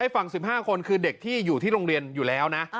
ฝั่ง๑๕คนคือเด็กที่อยู่ที่โรงเรียนอยู่แล้วนะ